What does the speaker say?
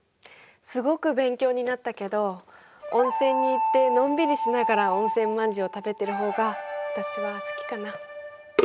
すごく勉強になったけど温泉に行ってのんびりしながら温泉まんじゅうを食べてる方が私は好きかな。